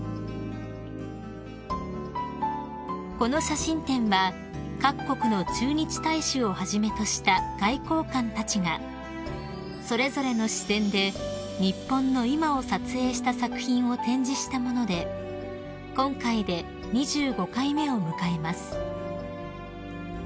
［この写真展は各国の駐日大使をはじめとした外交官たちがそれぞれの視線で「日本の今」を撮影した作品を展示したもので今回で２５回目を迎えます］